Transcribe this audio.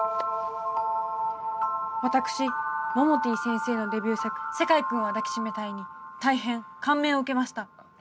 私モモティ先生のデビュー作「世界くんは抱きしめたい」に大変感銘を受けました。